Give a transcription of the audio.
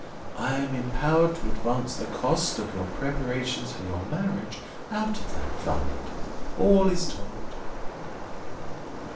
I am empowered to advance the cost of your preparations for your marriage out of that fund. All is told."